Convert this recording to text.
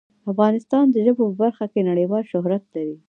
افغانستان د ژبو په برخه کې نړیوال شهرت لري.